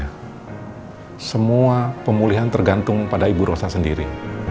dan semua pemulihan tergantung pada ibu rosa sendiri